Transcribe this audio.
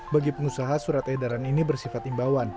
bagi pengusaha surat edaran ini bersifat imbauan